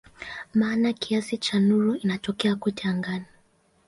Maana kiasi cha nuru inatokea kote angani.